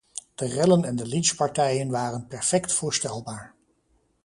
De rellen en de lynchpartijen waren perfect voorstelbaar.